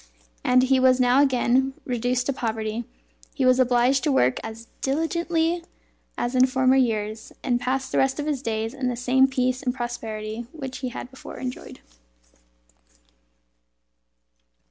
As he was now again reduced to poverty, he was obliged to work as diligently as in former years, and passed the rest of his days in the same peace and prosperity which he had before enjoyed.